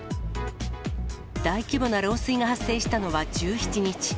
大規模な漏水が発生したのは１７日。